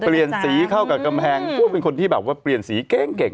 เปลี่ยนสีเข้ากับกำแพงพวกเป็นคนที่แบบว่าเปลี่ยนสีเก้งเก่ง